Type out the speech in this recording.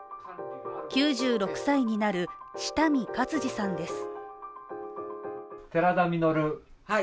９６歳になる下見勝二さんです。